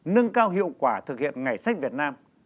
nâng cao hiệu quả thực hiện ngày sách việt nam